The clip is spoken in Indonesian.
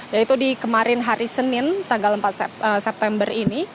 yaitu di kemarin hari senin tanggal empat september ini